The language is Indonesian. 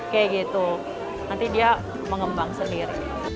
kayak gitu nanti dia mengembang sendiri